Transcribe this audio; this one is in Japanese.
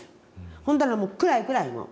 ほんだらもう暗い暗いもう。